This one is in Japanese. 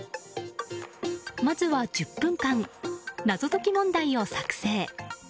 まずは１０分間謎解き問題を作成。